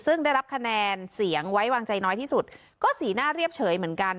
ซึ่งได้รับคะแนนเสียงไว้วางใจน้อยที่สุดก็สีหน้าเรียบเฉยเหมือนกัน